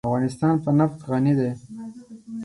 افغانستان په نفت غني دی.